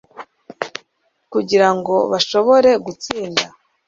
Kugira ngo bashobore gutsinda,